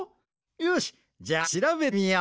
よしじゃあしらべてみよう。